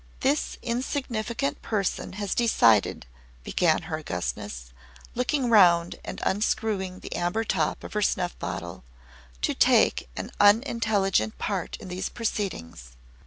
"This insignificant person has decided," began her Augustness, looking round and unscrewing the amber top of her snuff bottle, "to take an unintelligent part in these proceedings.